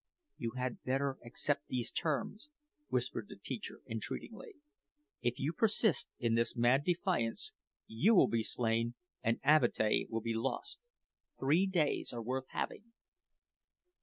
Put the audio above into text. "You had better accept these terms," whispered the teacher entreatingly. "If you persist in this mad defiance, you will be slain and Avatea will be lost. Three days are worth having."